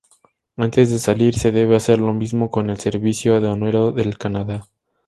Antes de salir, se debe hacer lo mismo con el servicio aduanero del Canadá.